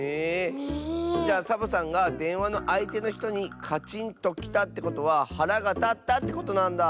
じゃあサボさんがでんわのあいてのひとにカチンときたってことははらがたったってことなんだ。